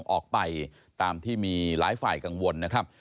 ออกไปตามที่มีหลายฝ่ายกังวลนะครับ